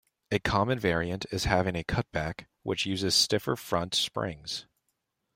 A common variant is having a "cutback", which uses stiffer front springs.